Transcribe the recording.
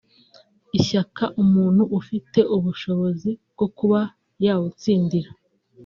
ishaka umuntu ufite ubushobozi bwo kuba yawutsindira